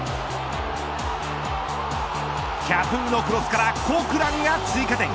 キャプーのクロスからコクランが追加点。